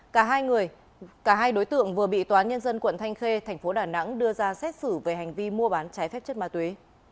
cả hai đối tượng vừa bị tòa nhân dân quận thanh khê tp đà nẵng đưa ra xét xử về hành vi mua bán trái phép chất ma túy